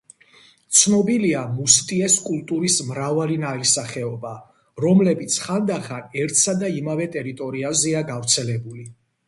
ცნობილია მუსტიეს კულტურის მრავალი ნაირსახეობა, რომლებიც ხანდახან ერთსა და იმავე ტერიტორიაზეა გავრცელებული.